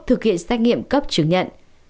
thực hiện xác nghiệm cấp chứng nhận